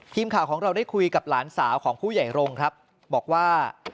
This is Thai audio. ทีมข่าวของเราได้คุยกับหลานสาวของผู้ใหญ่รงค์ครับบอกว่า